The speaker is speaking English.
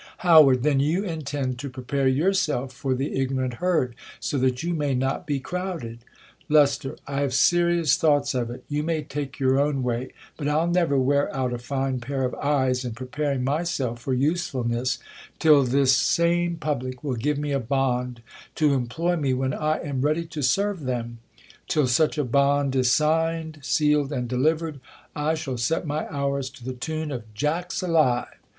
How. Then you intend to prepare yourself for the ignorant herd, so that you may not be crowded. Lest, I have serious thoughts of it. You may take your own way, but I'll never wear out a fine pair of eyes in preparing myself for usefulness, till this same G publx« 74 THE COLUMBIAN ORATOR. public will give me a bond to employ me when I am ready to serve them. Till such a bond is signed, scal ed, and delivered, I shall set my hours to the tune ot Jack's alive."